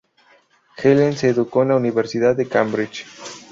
Helen se educó en la Universidad de Cambridge.